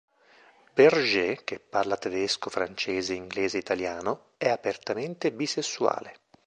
Berger, che parla tedesco, francese, inglese e italiano, è apertamente bisessuale.